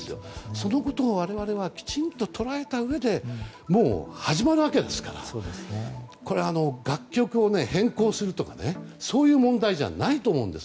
そのことを我々はきちんと捉えたうえでもうすぐ始まるわけですからこれは、楽曲を変更するとかそういう問題じゃないと思うんです。